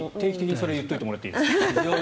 それ言っておいてもらっていいですか。